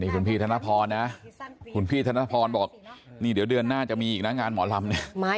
คุณพี่ทานพรบอกเดือนหน้าจะมีอีกงานหมอลำ